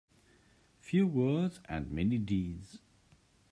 Few words and many deeds.